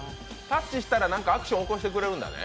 タッチしたら何かアクション起こしてくれるんだね。